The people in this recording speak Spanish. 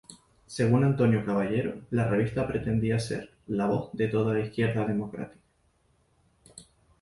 Según Antonio Caballero la revista pretendía ser "la voz de toda la izquierda democrática".